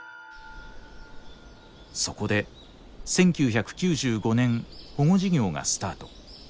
そこで１９９５年保護事業がスタート。